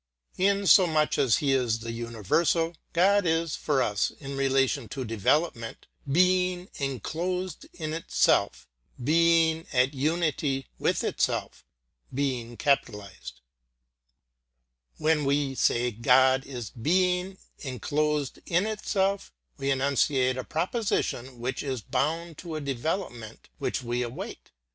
In so much as He is the universal, God is, for us, in relation to development, Being enclosed in itself, Being at unity with itself. When we say God is Being enclosed [pg 141]in itself, we enunciate a proposition which isbound to a development which we await.